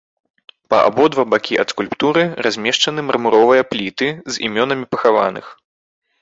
Па абодва бакі ад скульптуры размешчаны мармуровыя пліты з імёнамі пахаваных.